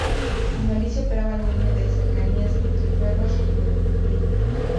En Galicia operaba la línea de cercanías entre Ferrol y Ortigueira.